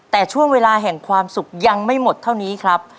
แต่ช่วงเวลาแห่งความสุขยังไม่หมดเท่านี้ครับ